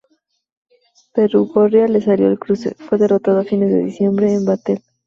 Perugorría le salió al cruce, pero fue derrotado a fines de diciembre en Batel.